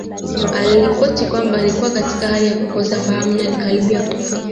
Aliripoti kwamba alikuwa katika hali ya kukosa fahamu na alikaribia kufa